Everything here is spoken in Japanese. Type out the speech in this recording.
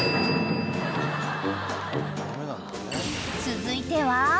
［続いては？］